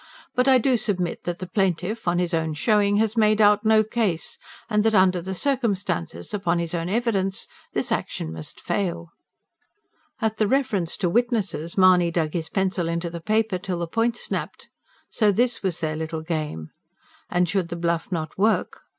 But I do submit that the plaintiff, on his own showing, has made out no case; and that under the circumstances, upon his own evidence, this action must fail." At the reference to witnesses, Mahony dug his pencil into the paper till the point snapped. So this was their little game! And should the bluff not work